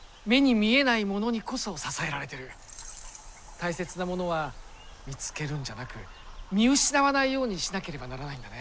大切なものは見つけるんじゃなく見失わないようにしなければならないんだね。